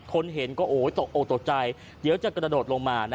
คนเห็นก็ตกออกตกใจเดี๋ยวจะกระโดดลงมา